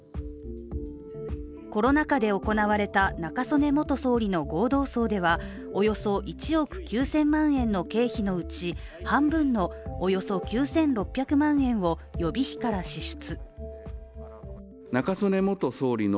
コロナ禍で行われた中曽根元総理の合同葬ではおよそ１億９０００万円の経費のうち半分のおよそ９６００万円を予備費から支出。